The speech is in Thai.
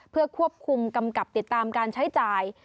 เพื่อควบคุมกำกับติดตามการใช้จ่าย